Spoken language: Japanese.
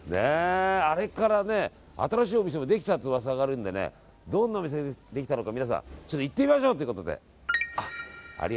あれから新しいお店もできたっていう噂があるのでどんなお店ができたのか行ってみましょうということで。